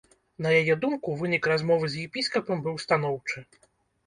На яе думку, вынік размовы з епіскапам быў станоўчы.